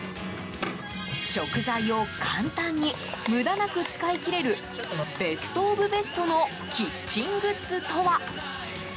食材を簡単に無駄なく使い切れるベストオブベストのキッチングッズとは。